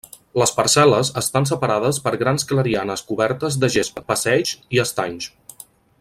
Les parcel·les estan separades per grans clarianes cobertes de gespa, passeigs i estanys.